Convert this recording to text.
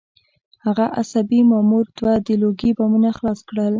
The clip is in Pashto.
هغه عصبي مامور دوه د لوګي بمونه خلاص کړل